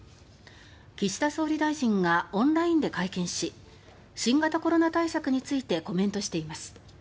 岸田総理大臣がオンラインで会見し新型コロナ対策についてコメントしています。